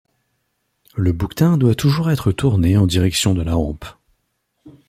Le bouquetin doit toujours être tourné en direction de la hampe.